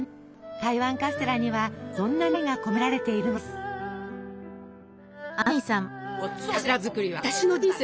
台湾カステラにはそんな願いが込められているのです。